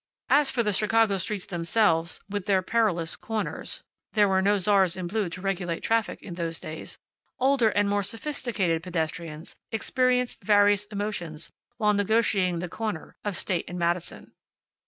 As for the Chicago streets themselves, with their perilous corners (there were no czars in blue to regulate traffic in those days), older and more sophisticated pedestrians experienced various emotions while negotiating the corner of State and Madison.